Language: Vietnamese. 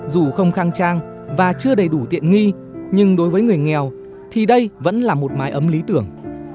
dù không khang trang và chưa đầy đủ tiện nghi nhưng đối với người nghèo thì đây vẫn là một mái ấm lý tưởng